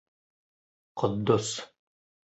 Ҡотдос.